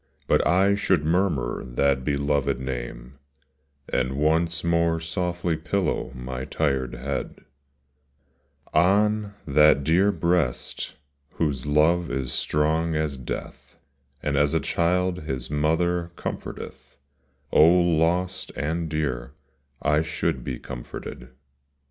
But I should murmur that beloved name, And once more softly pillow my tired head On that dear breast whose love is strong as death, And as a child his mother comforteth — Oh lost and dear, I should be comforted.